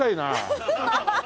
ハハハハハ！